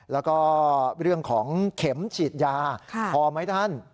แล้วก็เรื่องของเข็มฉีดยาพอไหมท่าน